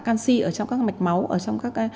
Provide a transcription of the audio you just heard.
canxi ở trong các mạch máu ở trong các